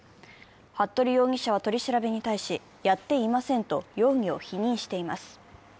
服部容疑者は取り調べに対しやっていませんと容疑を否認しています。